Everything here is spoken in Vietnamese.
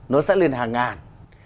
nó sẽ lên hàng ngàn